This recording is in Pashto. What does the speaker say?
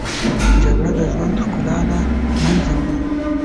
جګړه د ژوند ښکلا له منځه وړي